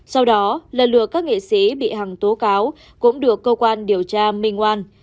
sau đó lần lượt các nghệ sĩ bị hằng tố cáo cũng được cơ quan điều tra minh oan